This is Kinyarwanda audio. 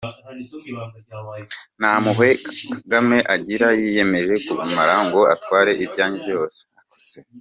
Ntampuwhe kagome agira yiyemeje kubamara ngo atware ibyanyu byose